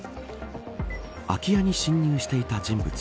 空き家に侵入していた人物。